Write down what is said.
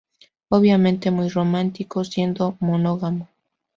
Obviamente, muy romántico, siendo monógamo.